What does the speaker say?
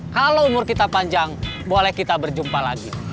kalau umur kita panjang boleh kita berjumpa lagi